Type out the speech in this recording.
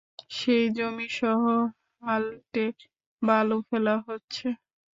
সেই জমিসহ হালটে বালু ফেলা হচ্ছে।